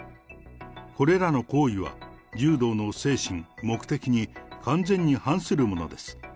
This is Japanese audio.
これらの行為は、柔道の精神、目的に完全に反するものです。